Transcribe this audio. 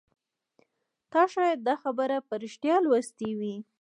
تا شاید دا خبر په ریښتیا لوستی وي